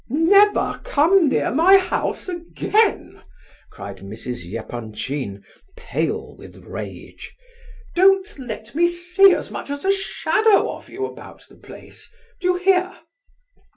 "Never come near my house again!" cried Mrs. Epanchin, pale with rage. "Don't let me see as much as a shadow of you about the place! Do you hear?"